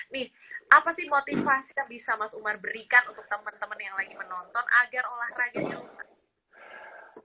nih apa sih motivasi yang bisa mas umar berikan untuk teman teman yang lagi menonton agar olahraga nyaman